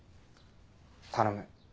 頼む。